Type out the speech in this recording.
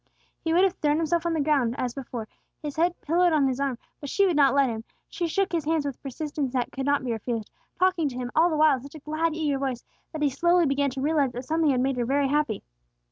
He would have thrown himself on the ground as before, his head pillowed on his arm, but she would not let him. She shook his hands with a persistence that could not be refused, talking to him all the while in such a glad eager voice that he slowly began to realize that something had made her very happy.